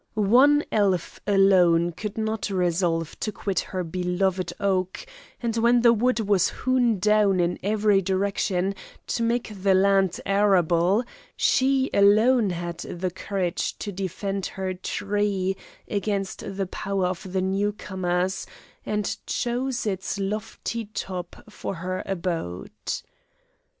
One elf alone could not resolve to quit her beloved oak, and when the wood was hewn down in every direction to make the land arable, she alone had the courage to defend her tree against the power of the new comers, and chose its lofty top for her abode.